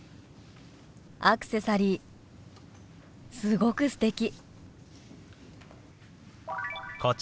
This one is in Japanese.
アクセサリーすごくすてき」。